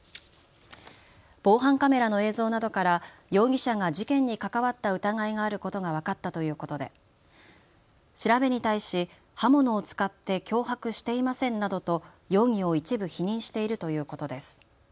防犯カメラの映像などから容疑者が事件に関わった疑いがあることが分かったということで調べに対し刃物を使って脅迫していませんなどと容疑を一部否認しているということです。